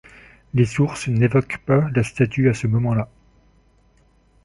Les sources n'évoquent pas la statue à ce moment-là.